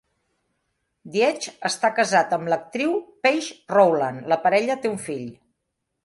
Dietz està casat amb l'actriu Paige Rowland; la parella té un fill.